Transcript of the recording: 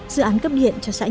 dự án cấp điện cho xã nhân trong